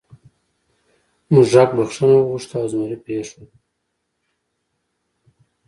موږک بخښنه وغوښته او زمري پریښود.